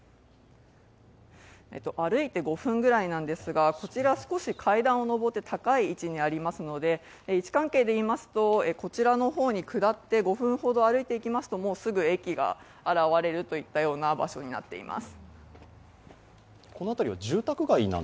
歩いて５分ぐらいなんですが、少し階段を上って高い位置にありますので位置関係でいいますとこちらの方に下って５分ほど歩いていきますと、もうすぐ駅が現れるといった場所になっています。